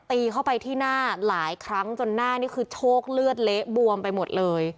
ตีเข้าไปที่หน้าหลายครั้งจนหน้านี่คือโชคเลือดเละบวมไปหมดเลย